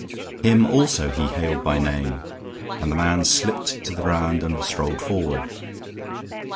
Him also he hailed by name, and the man slipped to the ground and strolled forward.